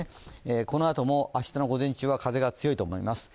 このあとも明日の午前中は風が強いと思います。